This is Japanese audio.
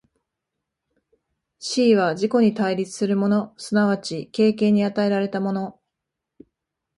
思惟は自己に対立するもの即ち経験に与えられたもの、